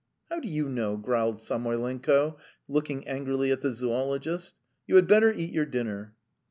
"How do you know?" growled Samoylenko, looking angrily at the zoologist. "You had better eat your dinner."